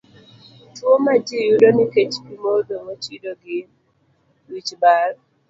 Tuwo ma ji yudo nikech pi modho mochido gin: A. wich bar